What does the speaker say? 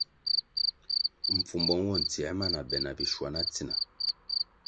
Mpfumbo nwo ntsiē ma na be bishwana tsina.